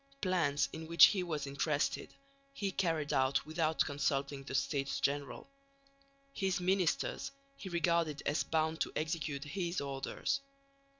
Plans, in which he was interested, he carried out without consulting the States General. His ministers he regarded as bound to execute his orders.